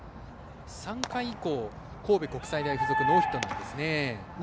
３回以降神戸国際大付属はノーヒットなんですね。